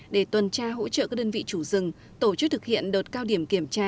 để tuần tra hỗ trợ các đơn vị chủ rừng tổ chức thực hiện đợt cao điểm kiểm tra